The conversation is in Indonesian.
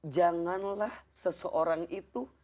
janganlah seseorang itu